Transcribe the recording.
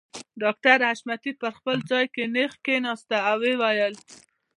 ډاکټر حشمتي په خپل ځای کې نېغ کښېناسته او ويې ويل